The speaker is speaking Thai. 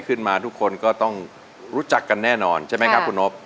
ขึ้นมาทุกคนก็ต้องรู้จักกันแน่นอนใช่ไหมครับคุณนบ